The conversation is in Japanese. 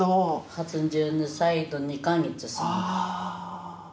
８２歳と２か月過ぎた。